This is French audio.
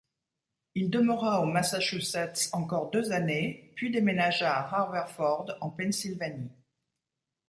Il demeura au Massachusetts encore deux années, puis déménagea à Haverford en Pennsylvanie.